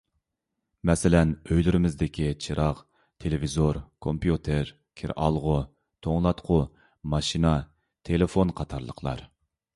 مەسىلەن، ئۆيلىرىمىزدىكى چىراغ، تېلېۋىزور، كومپيۇتېر، كىرئالغۇ، توڭلاتقۇ، ماشىنا، تېلېفون قاتارلىقلار.